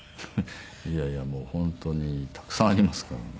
いやいやもう本当にたくさんありますからね。